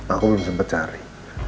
aku belum sempat cari